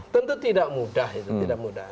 tentu tidak mudah itu tidak mudah